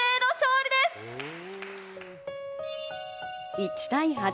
１対８。